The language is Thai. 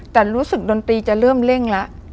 แต่รู้สึกดนตรีจะเริ่มเร่งแล้ว